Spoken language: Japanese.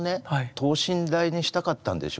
等身大にしたかったんでしょうね。